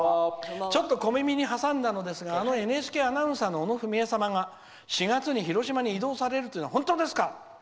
ちょっと小耳に挟んだのですがＮＨＫアナウンサーの小野文惠様が４月に広島に異動されるというのは本当ですか？